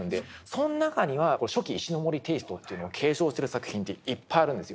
その中には初期石森テイストっていうのを継承してる作品っていっぱいあるんですよ。